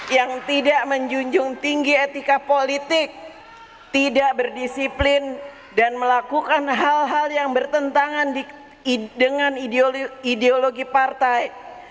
yang tidak menjunjung tinggi etika politik tidak berdisiplin dan melakukan hal hal yang bertentangan dengan ideologi partai